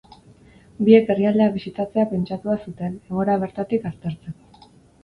Biek herrialdea bisitatzea pentsatua zuten, egoera bertatik aztertzeko.